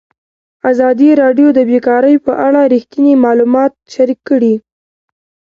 ازادي راډیو د بیکاري په اړه رښتیني معلومات شریک کړي.